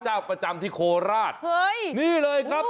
เจ้าประจำที่โคราชเฮ้ยนี่เลยครับ